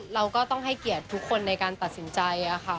เราก็ต้องให้เกียรติทุกคนในการตัดสินใจค่ะ